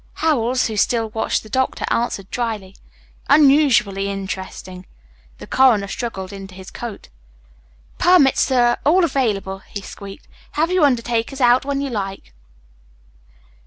Howells, who still watched the doctor, answered dryly: "Unusually interesting." The coroner struggled into his coat. "Permits are all available," he squeaked. "Have your undertakers out when you like."